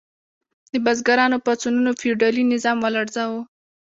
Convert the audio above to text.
د بزګرانو پاڅونونو فیوډالي نظام ولړزاوه.